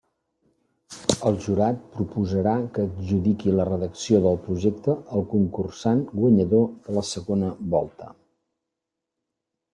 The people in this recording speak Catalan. El Jurat proposarà que adjudiqui la redacció del Projecte al concursant guanyador de la segona volta.